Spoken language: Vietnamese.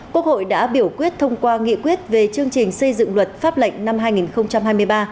quốc hội đã biểu quyết thông qua nghị quyết về chương trình xây dựng luật pháp lệnh năm hai nghìn hai mươi ba